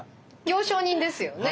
行商人ですよね。